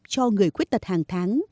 cho người khuyết tật hàng tháng